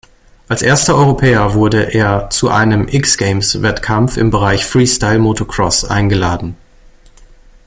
Als erster Europäer wurde er zu einem X-Games Wettkampf im Bereich Freestyle Motocross eingeladen.